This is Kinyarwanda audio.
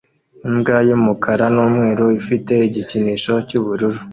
Imbwa y'umukara n'umweru ifite igikinisho cy'ubururu